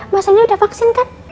mas randy udah vaksin kan